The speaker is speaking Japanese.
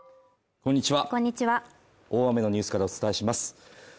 こんにちは大雨のニュースからお伝えします。